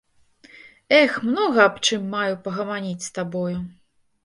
Эх, многа аб чым маю пагаманіць з табою.